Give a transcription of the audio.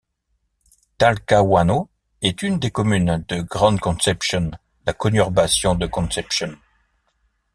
Talcahuano est une des communes de Grand Concepción, la conurbation de Concepción.